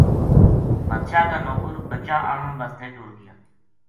بادشاہ کا نوکر بچا آنن بسطے ٹُر گیا